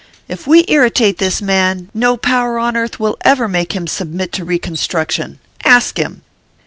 If we irritate this man, no power on earth will ever make him submit to reconstruction. Ask him."